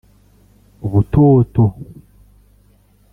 Butoto